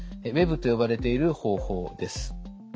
Ｗ−ＥＢと呼ばれている方法です。